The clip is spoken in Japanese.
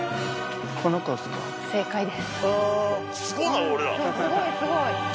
すごない？